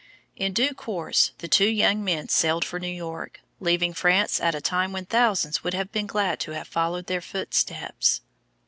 In due course the two young men sailed for New York, leaving France at a time when thousands would have been glad to have followed their footsteps.